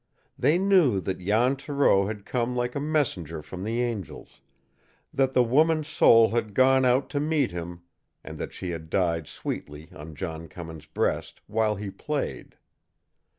They knew that Jan Thoreau had come like a messenger from the angels, that the woman's soul had gone out to meet him, and that she had died sweetly on John Cummins' breast while he played.